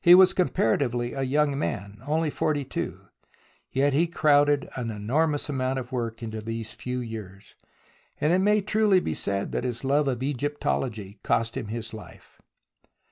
He was comparatively a young man, only forty two, yet he crowded an enormous amount of work into these few years, and it may truly be said that his love of Egyptology cost him his life.